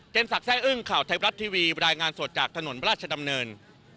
สักแร่อึ้งข่าวไทยบรัฐทีวีรายงานสดจากถนนราชดำเนิน